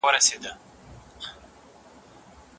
هغې وویل که ناروغي ژر کشف شي، درملنه اسانه کېږي.